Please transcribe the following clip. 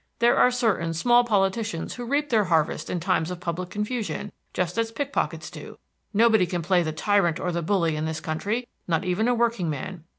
There are certain small politicians who reap their harvest in times of public confusion, just as pickpockets do. Nobody can play the tyrant or the bully in this country, not even a workingman.